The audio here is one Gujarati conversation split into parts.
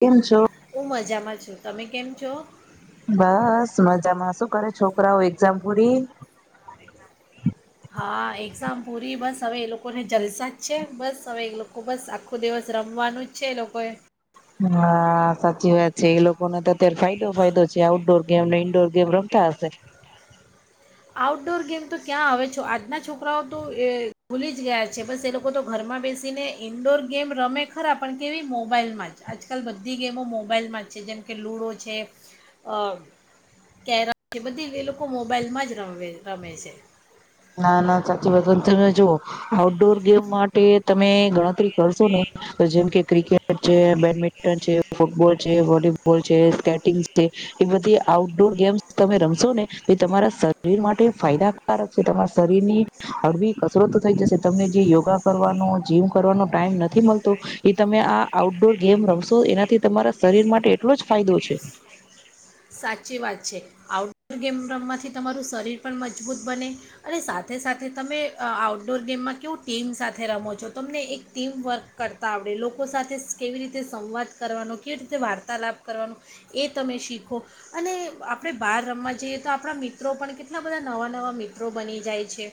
કેમ છો હું મજામાં છુ તમે કેમ છો બસ મજામાં શું કરે છોકરાઓ એક્ઝામ પૂરી હા એક્ઝામ પૂરી બસ હવે એ લોકોને જલસા જ છે બસ હવે એ લોકો બસ આખો દિવસ રમવાનું જ છે એ લોકોએ હા સાચી વા છે એ લોકોકને તો અત્યારે ફાયદો ફાયદો છે આઉટડોર ગેમ ને ઇન્ડોર ગેમ રમતા હશે આઉટડોર ગેમ તો ક્યાં આવે છો આજના છોકરાઓ તો એ ભૂલી જ ગયા છે બસ એ લોકો તો ઘરમાં બેસીને ઇન્ડોર ગેમ રમે ખરા પણ કેવી મોબાઈલમાં જ આજકાલ બધી ગેમો મોબાઈલમાં જ છે જેમ કે લૂડો છે કેરમ છે બધી એ લોકો મોબાઈલમાં જ રમે રમે છે ના ના સાચી વાત તમે જોુ આઉટડોર ગેમ માટે તમે ગણતરી કરશો ને જેમ કે ક્રિકેટ છે બેડમિન્ટન છે ફૂટબોલ છે વોલીબોલ છે સ્કેટિંગ છે એ બધી આઉટડોર ગેમ્સ તમે રમશો ને એ તમારા શરીર માટે ફાયદાકારક જે તમારા શરીર ની હળવી કસરતો થઈ જશે તમને જે યોગા કરવાનો જીમ કરવાનો ટાઈમ નથી મળતો એ તમે આ આઉટડોર ગેમ રમશો એનાથી તમારા શરીર માટે એટલો જ ફાયદો છે સાચી વાત છે આઉટડોર ગેમ રમવાથી તમારું શરીર પણ મજબૂત બને અને સાથે સાથે તમે આઉટડોર ગેમમાં કેવું ટીમ સાથે રમો છો તમને એક ટીમ વર્ક કરતાં આવડે લોકો સાથે કેવી રીતે સંવાદ કરવાનો કેવી રીતે વાર્તાલાપ કરવાનો એ તમે શીખો અને આપણે બહાર રમવા જઈએ તો આપણા મિત્રો પણ કેટલા બધા નવા નવા મિત્રો બની જાય છે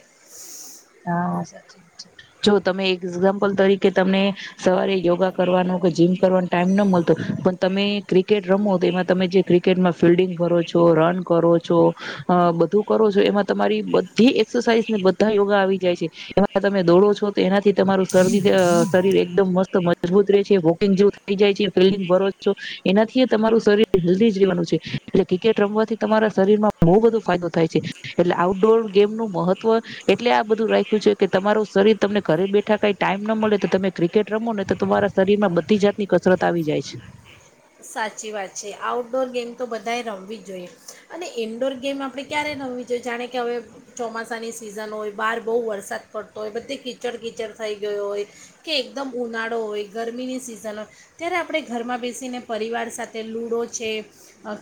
હા હા સાચી જો તમે એક એક્ઝામ્પલ તરીકે કે તમને સવારે યોગા કરવાનું કે જીમ કરવાનું ટાઈમ ન મળતો પણ તમે ક્રિકેટ રમો તો એમાં તમે જે ક્રિકેટમાં ફિલ્ડિંગ કરો છો રન કરો છો અ બધું કરો છો એમાં તમારી બધી એક્સરસાઇઝ ને બધા આવી જાય છે એમાં [unintelligible] દોડો છો તો એનાથી તમારું શરદી શરીર એકદમ મસ્ત મજબૂત રહે છે વોકિંગ જો [unintelligible] એનાથી તમારું શરીર હેલ્ધી જ રહેવાનું છે એટલે ક્રિકેટ રમવાથી તમારા શરીર માં બો બધો ફાયદો થાય છે. એટલે આઉટડોર ગેમ નું મહત્વ એટલે આ બધું રાખ્યું છે કે તમારું શરીર તમને ઘરે બેઠા કઈ ટાઈમ ન મળે તો તમે ક્રિકેટ રમો ને તો તમારા શરીર માં બધી જાતની કસરત આવી જાય છે. સાચી વાત છે આઉટડોર ગેમ તો બધાએ રમવી જ જોઈએ અને ઇન્ડોર ગેમ આપણે ક્યારે રમવી જોઈએ જાણે કે હવે ચોમાસાની સિઝન હોય બહાર બહુ વરસાદ પડતો હોય બધે કીચડ કીચડ થઈ ગયો હોય કે એકદમ ઉનાળો હોય ગરમીની સિઝન હોય ત્યારે આપણે ઘરમાં બેસીને પરિવાર સાથે લૂડો છે,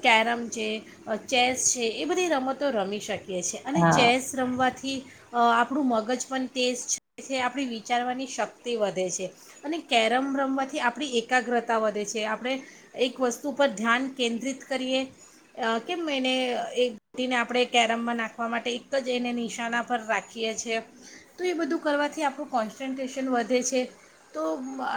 કેરમ છે, ચેસ છે, એ બધી રમતો રમી શકી એ છે. અને હા ચેસ રમવાથી અ આપણું મગજ પણ તેજ છે. આપણી વિચારવાની શક્તિ વધે છે. અને કેરમ રમવાથી આપણી એકાગ્રતા વધે છે. આપણે એક વસ્તુ પર ધ્યાન કેન્દ્રિત કરીએ કેમ એને એક ગોટીને આપણે કેરમમાં નાખવા માટે એક જ એને નિશાના પર રાખીએ છીએ તો એ બધું કરવાથી આપણું કોન્સન્ટ્રેશન વધે છે. તો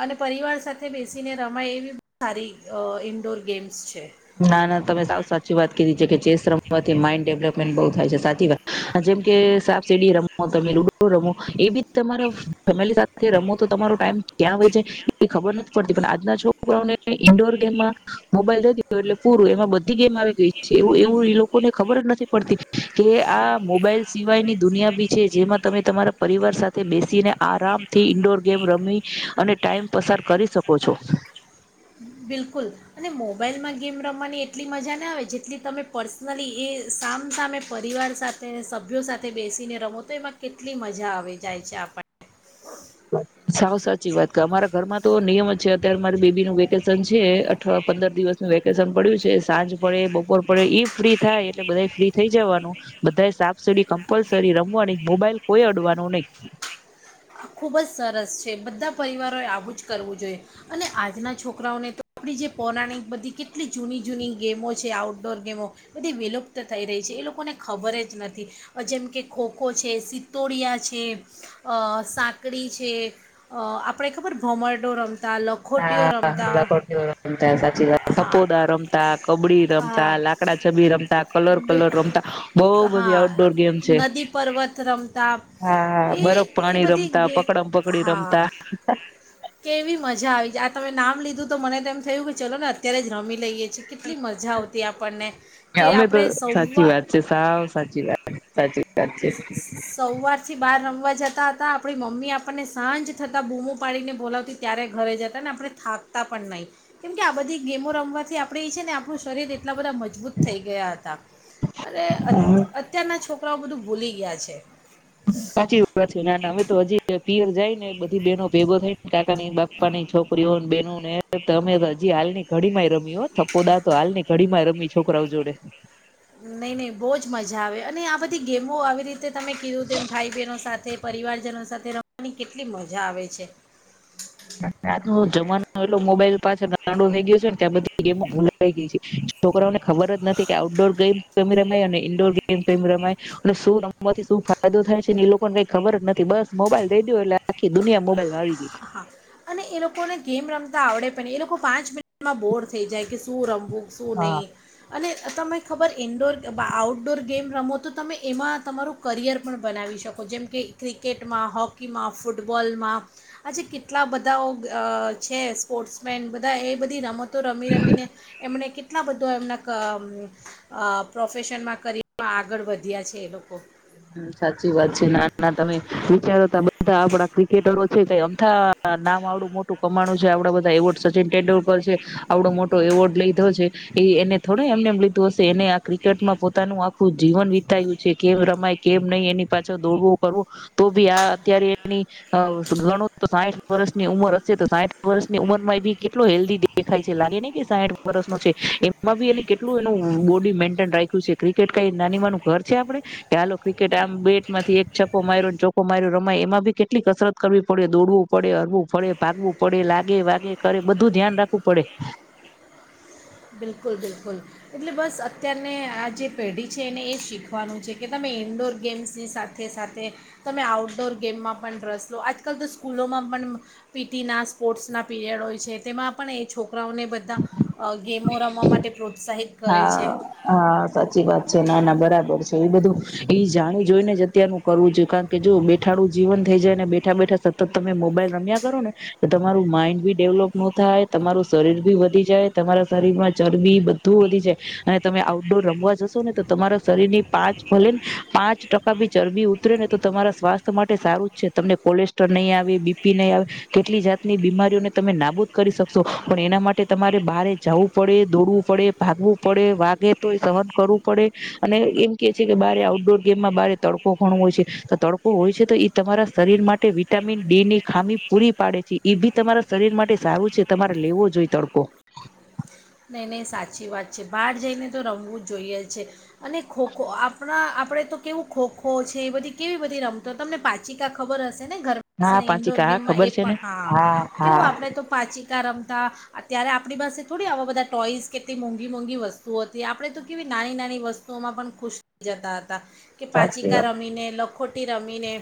અને પરિવાર સાથે બેસીને રમાય એવી સારી અ ઇન્ડોર ગેમ્સ છે. ના ના તમે સાવ સાચી વાત કીધી છે. કે ચેસ રમવાથી માઇન્ડ ડેવલપમેન્ટ બઉુ થાય છે. સાચી વાત જેમ કે સાપ સેડી રમો તમે લુડો રમો એ બી તમારા ફેમિલી સાથે રમો તો તમારો ટાઈમ ક્યાં વય જાય એ ખબર નથી પડતી પણ આજના છોકરાઓને ઈન્ડોર ગેમમાં મોબાઈલ દયો એટલે પૂરું એમાં બધી ગેમ આવી ગઈ છે. એવું એવું એ લોકોને ખબર જ નથી પડતી કે આ મોબાઈલ સિવાયની દુનિયા ભી છે. જેમાં તમે તમારા પરિવાર સાથે બેસીને આરામથી ઈન્ડોર ગેમ રમી અને ટાઈમ પસાર કરી શકો છો. બિલકુલ અને મોબાઈલમાં ગેમ રમવાની એટલી મજા ના આવે જેટલી તમે પર્સનલી એ સામસામે પરિવાર સાથે સભ્યો સાથે બેસીને રમો તો એમાં કેટલી મજા આવી જાય છે આપણને સાવ સાચી વાત અમારા ઘરમાં તો નિયમ જ છે અત્યારે મારી બેબી નું વેકેશન છે અઠવા પંદર દિવસનું વેકેશન પડ્યું છે સાંજ પડે બપોર પડે ઈ ફ્રી થાય એટલે બધા ફ્રી થઈ જવાનું બધા સાફ સીડી કમ્પલસરી રમવાની મોબાઈલ કોઈ અડવાનું નહી. ખૂબ જ સરસ છે બધા પરિવારોએ આવું જ કરવું જોઈએ અને આજના છોકરાઓને તો આપણી જે પૌરાણિક બધી કેટલી જૂની જૂની ગેમો છે આઉટડોર ગેમો બધી વિલુપ્ત થઈ રહી છે એ લોકોને ખબર જ નથી જેમ કે ખોખો છે સિત્તોડિયા છે અ સાંકડી છે અ આપણે ખબર ભમરડો રમ હા લખોટીઓ રમતા સાચી વાત હા તપોદા રમતા કબડી રમતા હા લાકડા છબી રમતા કલર બે- કલર રમતા બો બધી હા આઉટડોર ગેમ છે. નદી પર્વત રમતા હા એ બરો એ બધી હા કેવી મજા આવી તમે નામ લીધું તો મને તેમ એમ થયું કે ચલો ને અત્યારે જ રમી લઈએે. કે અમે તો આપણે સાચી સવાર વાત છે સાવ સાચી વાત સાચી વાત છે સવારથી બાર રમવા જતા હતા આપણી મમ્મી આપણને સાંજ થતા બૂમો પાડીને બોલાવતી ત્યારે ઘરે જતા ને આપણે થાકતા પણ નહીં કેમ કે આ બધી ગેમો રમવાથી આપડે એ છે ને આપણું શરીર એટલા બધા મજબૂત થઈ ગયા હતા અને હા અત્યારના છોક કરા બધું ભૂલી ગીયા છે. સાચી વાત છે ના ના અમે તો હજી પિયર જાય નેતો બેનો ભેગો થઈ ને કાકા ની બાપા ની છોકરીઓને બેનો ને તમે હજી હાલ ની ઘડીમાંય રમી હો થપ્પો દા તો હાલની ઘડીમાં રમી છોકરાઓ જોડે. નહીં નહીં બો જ મજા આવે અને આ બધી ગેમો આવી રીતે તમે કીધું તેમ ભાઈ બહેનો સાથે પરિવારજનો સાથે રમવાની કેટલી મજા આવે છે. આજનો જમાનો એટલો મોબાઈલ પાછળ ગાડો થઈ ગયો છેને આ બધી ગેમો ભૂલાઈ ગઈ છે છોકરાને ખબર જ નથી કે આઉટડોર ગેમ રમાય ઈડોર ગેમ કેમ રમાય અને શું રમવાથી શું ફાયદો થાય છે ને એ લોકોને કઈ ખબર જ નથી બસ મોબાઈલ દઈ દો એટલે આખી દુનિયા મોબાઈલમાં આવી ગઈ. હા અને એ લોકોને ગેમ રમતા આવડે પણ એ લોકો પાંચ મિનિટમાં બોર થઈ જાય કે શું રમભું શું હા નહીં અને તમે ખબર ઇન્ડોર આઉટડોર ગેમ રમો તો તમે એમાં તમારું કરિયર પણ બનાવી શકો જેમ કે ક્રિકેટમાં હોકીમાં ફૂટબોલમાં આજે કે ટલા બધાઓ અ છે સ્પોર્ટ્સમેન બધા એ બધી રમ તો રમી રમીને એમણે કે ટલા બધા એમના અમ પ્રોફેશનમાં કરયરમાં આગળ વધ્યા છે એ લોકો. સાચી વાત છે ના ના તમે વિચારોતા બધા આપડા ક્રિકેટરો છે કે અમથા નામ આવડું મોટું કમાણું છે આવડા બધા એવોર્ડ સચિન તેંડુલકર છે આવડો મોટો એવોર્ડ લીધો છે એ એને થોડ એમને એમ લીધું હસે એને આ ક્રિકેટમાં પોતાનું આ ખું જીવન વિતાયું છે કેમ રમાય કેમ નહી એની પાછળ દોડવું કરવું તો ભી આ અત્યારે એની ગણું સાઠ વર્ષની ઉંમર હશે તો સાઠ વર્ષની ઉંમર માં એ ભી કેટલો હેલ્ધી દેખાય છે. લાગે ની કે સાઠ વર્સ નો છે એમાં બી એને કેટલું એનું બોડી મેન્ટેન રાખ્યું છે. ક્રિકેટ કઈ નાની માનું ઘર છે આપડે કે હાલો ક્રિકેટ આમ બેટમાંથી એક છકો માર્યોને ચોકો માર્યો રમાય એમાં બી કેટલીક કસરત કરવી પડે દોડવું પડે, હરવું પડે, ભાગવું પડે, લાગે વાગે કરે બધું ધ્યાન રાખવું પડે. બિલકુલ બિલકુલ એટલે બસ અત્યારને આ જે પેઢી છે એને એ શીખવાનું છે કે તમે ઇન્ડોર ગેમ્સની સાથે સાથે તમે આઉટડોર ગેમમાં પણ રસ લો આજકાલ તો સ્કૂલોમાં પણ પી ટી ના સ્પોર્ટ્સના પીરિયડ હોય છે તેમાં પણ એ છોકરાઓને બધા અ ગેમો રમવા માટે પ્રોત્સાહિત કરે છે હા હા સાચી વાત છે ના ના બરા બર છે એ બધું ઈ જાણીજોઈને જ અત્યારનું કરવું જોઈએ કારણ કે જો બેઠાડું જીવન થઈ જાય ને બેઠા બેઠા સતત તમે મોબાઈલ રમ્યા કરો ને તો તમારું માઈન્ડ ભી ડેવલોપ નો થાય તમારું શરીર બી વધી જાય તમારા શરીરમાં ચરબી બ ધુ વધી જાય અને તમે આઉટડોર રમવા જશો ને તો તમારા શરીર ની પાંચ ભલે ને પાંચ ટકા બી ચરબી ઉતરે ને તો તમારા સ્વાસ્થ્ય માટે સારું જ છે તમને કોલેસ્ટ્રોલ નહીં આવે, બીપી નહીં આવે કેટલી જાતની બીમારીઓને તમે નાબૂદ કરી શકશો પણ એના માટે તમારે બહારે જવું પડે, દોડવું પડે ભાગવું પડે વાગે તોય સહન કરવું પડે અને એમ કેય છે કે બારે આઉટડોર ગેમમાં બારે તડકો ઘણો હોય છે તો તડકો હોય છે તો ઈ તમારા શરીર માટે વિટામિન ડી ની ખામી પૂરી પાડે છે ઈ ભી તમારા શરીર માટે સારું છે તમારે લેવો જોઈએ તડકો નહીં નહીં સાચી વાત છે બહાર જઈને તો રમવું જોઈએ જે અને ખોખો આપણા આ આપડે તો કેવું ખોખો છે એ બધી કેવી બધી રમતો તમને પાચિકા ખબર હ શેને ઘરમાં હા બેસીને ઈન્ડોર પાંચિકા હા ગેમમાં એ ખબર છે પણ ને હા હા કેવું આપણે તો પાચિકા રમતા અત્યારે આપણી પાસે થોડી આવા બધા ટોઈસ કેટલી મોંઘી-મોંઘી વસ્તુઓ હતી આપણેે તો કેવી નાની-નાની વસ્તુઓમાં પણ ખુશ થઈ જતા. કે સાચી પાચીકા વાત રમીને લખ ખોટી રમીને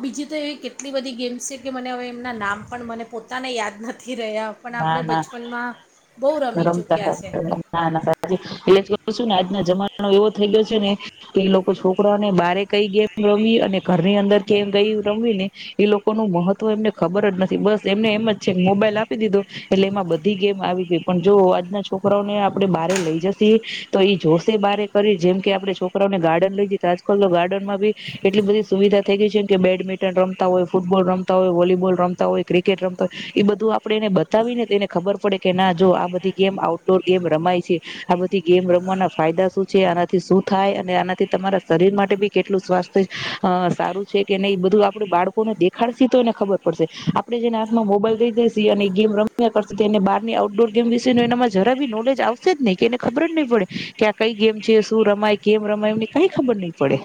બીજી તો એવી કેટલી બધી ગેમ્સ છે કે મને હવે એમના નામ પણ મને પોતાને યાદ ન નથી રહ્યા પણ ના આપણે ના બચપનમાં બહુ રમી ચૂક્યા છે [inaudible] ના ના [inaudible] સાચું એટલે જ કઉ છે ને કે આજ જમાનો એવો થઈ ગયો છે ને કે ઈ લોકો છોકરાને બારે કઈ ગેમ રમવી અને ઘરની અંદર કેમ કઈ રમવી ને એ લોકોનું મહત્વ એમને ખબર જ નથી બસ એમને એમ જ છે મોબાઈલ આપી દીધો એટલે એમાં બધી ગેમ આવી ગઈ પણ જો આજના છોકરાઓને આપડે બારે લઈ જસીએ તો એ જોશે બારે કરી જેમ કે આપડે છોકરાઓને ગાર્ડન લઈ જઈ તો આજકાલ તો ગાર્ડનમાં બી એટલી બધી સુવિધા થઇ ગઈ છે જેમ કે બેડમિન્ટન રમતા હોય, ફૂટબોલ રમતા હોય, વોલીબોલ રમતા હોય, ક્રિકેટ રમતા હોય એ બધું આપડે એને બતાવીને તો એને ખબર પડે કે ના જો આ બધી ગેમ આઉટડોર ગેમ રમાય છે આ બધી ગેમ રમવાના ફાયદા શું છે આનાથી શું થાય અને આનાથી તમારા શરીર માટે બી કેટલું અ સ્વાસ્થ્ય અ સારું છે કે નહી બધું આપડે બાળકોને દેખાડશે તો એને ખબર પડશે આપડે જેને હાથમાં મોબાઈલ દઈ દઈશી અને એ ગેમ રમ્યા કરશે તો એને બહારની આઉટડોર ગેમ વિશે એનામાં જરા બી નોલેજ આવશે જ નહીં કે એને ખબર જ નહીં પડે કે આ કઈ ગેમ છે? શું રમાય, કેમ રમાય એમને કાઈ ખબર નહીં પડે.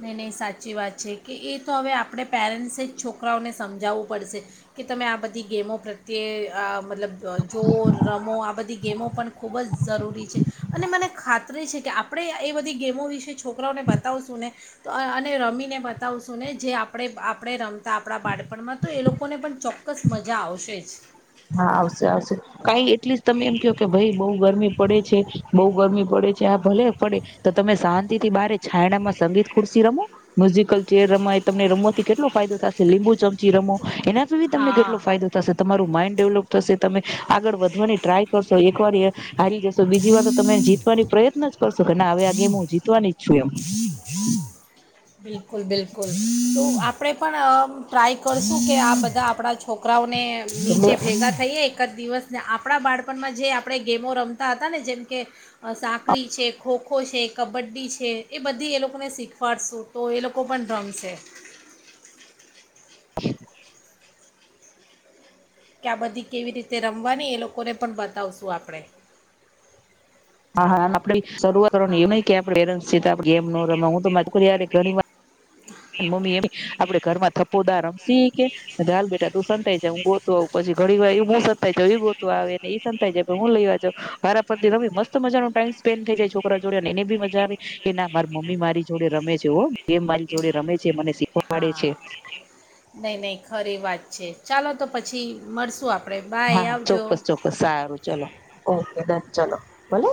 નહીં નહીં સાચી વાત છે કે એ તો હવે આપણે પેરેન્ટ્સે જ છોકરાઓને સમજાવવું પડશે કે તમે આ બધી ગેમો પ્રત્યે આ મતલબ જોઓ રમો આ બધી ગેમો પણ ખૂબ ઝ જરૂરી છે અને મને ખાતરી છે કે આપણે એ બધી ગેમો વિશે છોકરાઓને બતાવશું ને તો અને રમીને બતાવશું ને જે આપણે આપણે રમ તા આપણા બાળપણમાં તો એ લોકો લોકોને પણ ચોક્કસ મજા આવશે જ. હા આવશે આવશે કાઈ એટલીસ્ટ તમે એમ કયો કે ભાઈ બઉ ગરમી પડે છે બઉ ગરમી પડે છે આ ભલે પડે તો તમે શાંતિથી બારે છાયડામાં સંગીત ખુર્શી રમો, મ્યુઝિકલ ચેર રમાય તમને રમવાથી કેટલો ફાયદો થાશે લીંબુ ચમચી રમો એના સુધી તમને હા કેટલો ફાયદો થશે તમારું માઇન્ડ ડેવલપ થશે તમે આગળ વધવાની ટ્રાય કરશો એક વાર હારી જશો બીજી વાર તો તમે જીતવાની પ્રયત્ નજ કરશું કે હવે આ ગેમ હું જીતવાની જ છું એમ. બિલકુલ બિલકુલ, તો આપણેે પણ ટ્રાય કરશું કે આ બધા આપણા છોકરાઓ એટલે નીચે ભેગા થઈએ એક જ દિવસ આપણા બાળપણમાં જે આપણે ગેમો રમતા હતા ને જેમ કે સાંકળી છે, ખોખો છે, કબડ્ડી છે એ બધી એ લોકોને શીખવાડશું તો એ લોકો પણ રમશે. કે આ બધી કેવી રીતે રમવાની એ લોકોને પણ બતાવશું આપણેે. હા હા આપણે શરૂઆત કરવાનું એવું નઈ કે આપ પેરેન્ટ્સ છીએ તો આપણે ગેમ નો રમા હું તો માર છોકરી હારે ઘણીવાર મમ્મી એમ કેય આપણે ઘરમાં થપ્પો દાવ શીખ ચાલ બેટા તું સંતાય જા હું ગોતવા આવું પછી ઘડી વાર હું સંતાય જાવ ઈ ગોતવા આવેને ઈ પસંદ થાય જાય હું લઈવા જાવ વારા ફરથી નવી મસ્ત મજાનો ટાઈમ સ્પેન્ડ થઈ જાય છોકરા જોડે અને એને બી મજા આવે કે ના મારી મમ્મી મારી જોડે રમે છે હો મારી જોડે રમે છે મને શીખવાડે હા છે. નહીં નહીં ખરી વાત છે ચાલો તો પછી મળશું આ હા હા ચોક્કસ ચોક્કસ સારું ચલો હા ઓકે ડન ચલો ભલે.